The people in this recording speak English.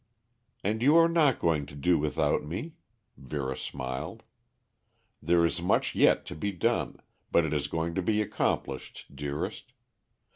"And you are not going to do without me," Vera smiled. "There is much yet to be done, but it is going to be accomplished, dearest.